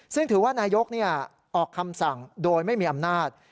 ซึ่งถือว่านายกออกคำสั่งโดยไม่มีอำนาจ